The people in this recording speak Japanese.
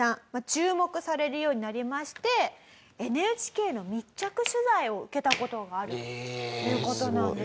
注目されるようになりましてＮＨＫの密着取材を受けた事があるという事なんです。